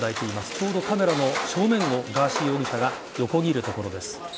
ちょうどカメラの正面をガーシー容疑者が横切るところです。